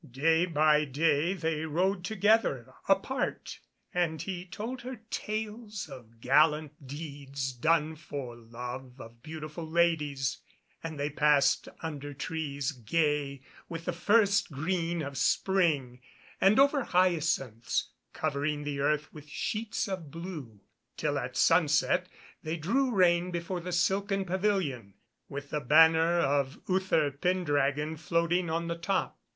Day by day they rode together apart and he told her tales of gallant deeds done for love of beautiful ladies, and they passed under trees gay with the first green of spring, and over hyacinths covering the earth with sheets of blue, till at sunset they drew rein before the silken pavilion, with the banner of Uther Pendragon floating on the top.